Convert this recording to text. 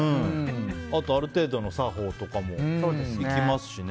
あと、ある程度の作法とかもできますしね。